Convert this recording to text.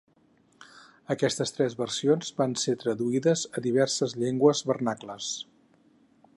Aquestes tres versions van ser traduïdes a diverses llengües vernacles.